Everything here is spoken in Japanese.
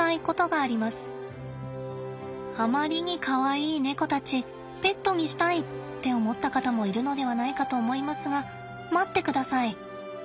あまりにかわいいネコたち「ペットにしたい！」って思った方もいるのではないかと思いますが待ってください。